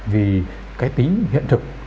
vì cái tính hiện thực